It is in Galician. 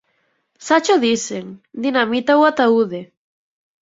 Xa cho dixen: dinamita ou ataúde.